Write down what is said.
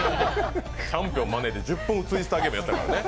チャンピオンに負けて１０分「ツイスターゲーム」やったからね。